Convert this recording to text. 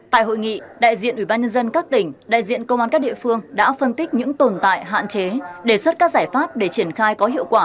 tại hội nghị đại diện ủy ban nhân dân các tỉnh đại diện công an các địa phương đã phân tích những tồn tại hạn chế đề xuất các giải pháp để triển khai có hiệu quả